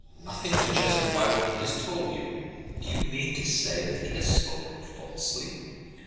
"Nothing to justify what he has told you." "Do you mean to say that he has spoken falsely?"